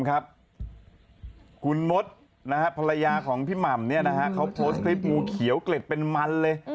คุณมดภรรยาของพี่หม่ำเขาโพสต์คลิปงูเขียวเกล็ดเป็นมันเลย